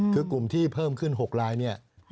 คือกลุ่มที่เพิ่มขึ้น๖ลาย